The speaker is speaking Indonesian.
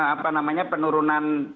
apa namanya penurunan